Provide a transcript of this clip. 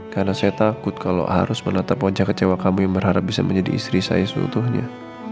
karena saya takut kalau harus menantap ponca kecewa kamu yang berharap bisa menjadi istri saya seutuhnya